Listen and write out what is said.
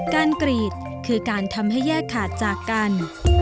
กรีดคือการทำให้แยกขาดจากกัน